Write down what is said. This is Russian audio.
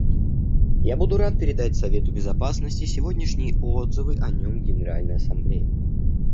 Я буду рад передать Совету Безопасности сегодняшние отзывы о нем Генеральной Ассамблеи.